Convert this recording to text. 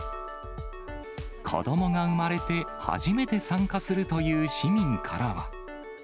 子どもが生まれて初めて参加するという市民からは。